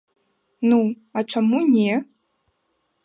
Ну, а чаму не?